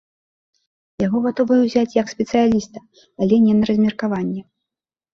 Яго гатовыя ўзяць як спецыяліста, але не на размеркаванне.